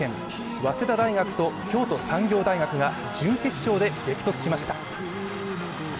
早稲田大学と京都産業大学が準決勝で激突しました。